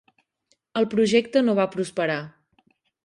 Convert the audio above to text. El projecte no va prosperar.